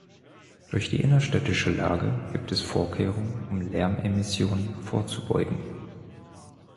Durch die innerstädtische Lage gibt es Vorkehrungen, um Lärmemissionen vorzubeugen.